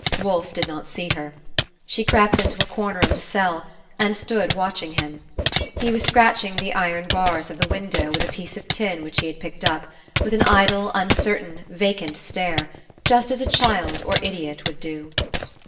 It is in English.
Wolfe did not see her. She crept into a corner of the cell, and stood watching him. He was scratching the iron bars of the window with a piece of tin which he had picked up, with an idle, uncertain, vacant stare, just as a child or idiot would do.